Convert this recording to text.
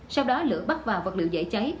sau đó lửa bắt vào vật liệu dễ cháy